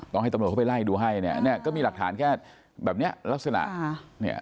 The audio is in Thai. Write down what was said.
ต้องให้ตำรวจเข้าไปไล่ดูให้ก็มีหลักฐานแค่แบบนี้ลักษณะ